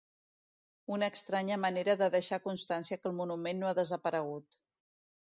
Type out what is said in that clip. Una estranya manera de deixar constància que el monument no ha desaparegut.